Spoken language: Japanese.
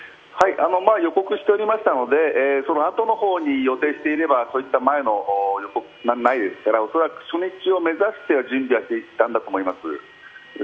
予告しておりましたので、そのあとの方に予定していれば、前の予告はないですから恐らく初日を目指してはいたんだと思います。